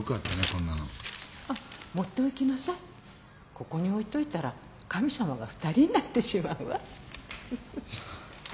ここに置いといたら神様が二人になってしまうわ。